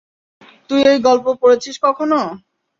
তুই এই গল্প পড়েছিস কখনো?